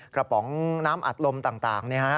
กระป๋องน้ำอัดลมต่างนี่ฮะ